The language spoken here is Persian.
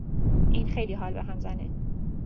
این خیلی حال بهم زنه.